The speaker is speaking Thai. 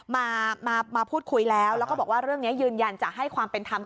มามาพูดคุยแล้วแล้วก็บอกว่าเรื่องนี้ยืนยันจะให้ความเป็นธรรม